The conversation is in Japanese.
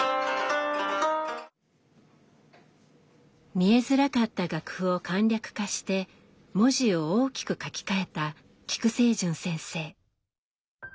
見えづらかった楽譜を簡略化して文字を大きく書き換えた菊聖純先生。